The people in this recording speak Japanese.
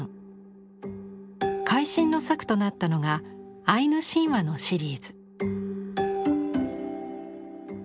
会心の作となったのが「アイヌ神話」のシリーズ。